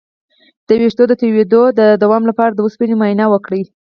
د ویښتو د تویدو د دوام لپاره د اوسپنې معاینه وکړئ